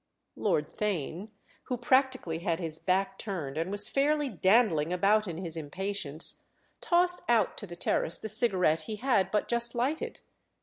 Lord Theign, who practically had his back turned and was fairly dandling about in his impatience, tossed out to the terrace the cigarette he had but just lighted.